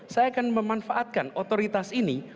saya akan memanfaatkan otoritas ini